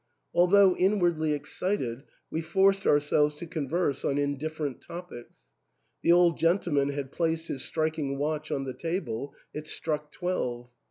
Although inwardly excited, we forced ourselves to converse on indifferent topics. The old gentleman had placed his striking watch on the table ; it struck twelve.